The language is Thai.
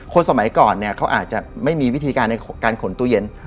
คนสมัยก่อนเขาอาจจะไม่มีวิธีการขนตู้เย็น